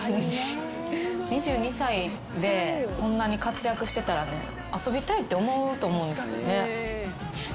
２２歳でこんなに活躍してたらね遊びたいって思うと思うんですよね。